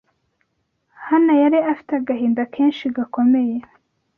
Hana yari afite agahinda kenshi gakomeye